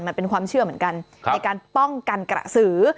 มันเป็นความเชื่อเหมือนกันในการป้องกันกระสือ